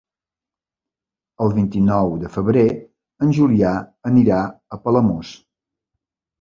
El vint-i-nou de febrer en Julià anirà a Palamós.